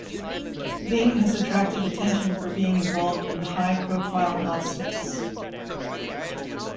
Bing has attracted attention for being involved in high-profile lawsuits.